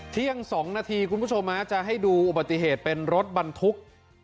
เที่ยง๒นาทีคุณผู้ชมจะให้ดูอุบัติเหตุเป็นรถบรรทุก